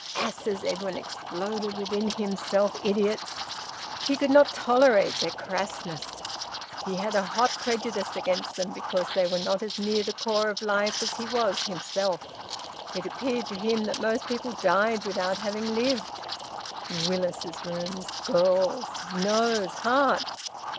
"Asses!" Edwin exploded within himself. "Idiots!" He could not tolerate their crassness. He had a hot prejudice against them because they were not as near the core of life as he was himself. It appeared to him that most people died without having lived. Willis's Rooms! Girls! Nose! Heart!